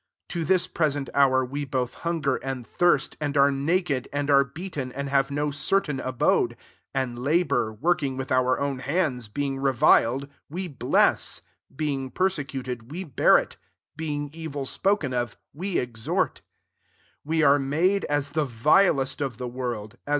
276 1 CORINTHIANS V. 1 1 To this present hour, we both hunger and thirst, and are naked) and are beaten, and have no certain abode; 1£ and la bour, working with our own hands being reviled, we bless; being persecuted, we bear it; 13 being evil spoken of, we exhort: we are made as the vilest of the world, as